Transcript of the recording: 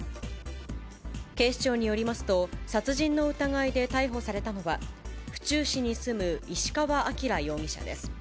警視庁によりますと、殺人の疑いで逮捕されたのは、府中市に住む石川晃容疑者です。